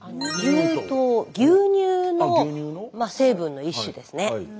牛乳の成分の一種ですね。